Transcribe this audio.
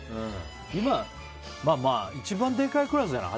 今一番でかいぐらいじゃない？